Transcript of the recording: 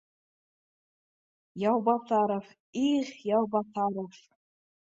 Яубаҫаров, их Яубаҫаров